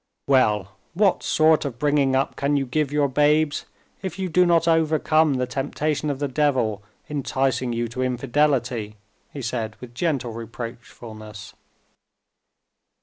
Well, what sort of bringing up can you give your babes if you do not overcome the temptation of the devil, enticing you to infidelity?" he said, with gentle reproachfulness.